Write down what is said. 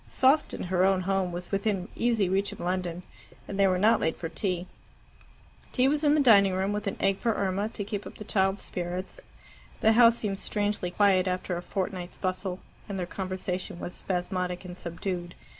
Sawston, her own home, was within easy reach of London, and they were not late for tea. Tea was in the dining room, with an egg for Irma, to keep up the child's spirits. The house seemed strangely quiet after a fortnight's bustle, and their conversation was spasmodic and subdued.